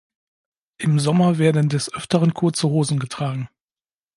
Im Sommer werden des Öfteren kurze Hosen getragen.